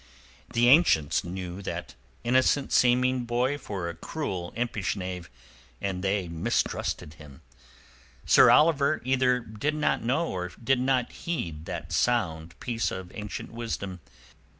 The ancients knew that innocent seeming boy for a cruel, impish knave, and they mistrusted him. Sir Oliver either did not know or did not heed that sound piece of ancient wisdom.